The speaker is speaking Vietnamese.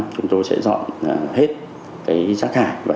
chúng tôi sẽ dọn hết rác thải